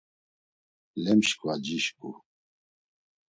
Lemç̌ǩva yuşǩu.